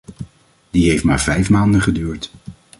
Die heeft maar vijf maanden geduurd.